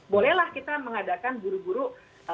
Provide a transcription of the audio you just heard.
bolehlah kita mengadakan buru buru